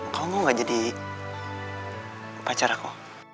kamu mau gak jadi pacar aku